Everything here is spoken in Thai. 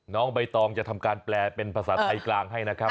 น้องใบตองจะทำการแปลเป็นภาษาไทยกลางให้นะครับ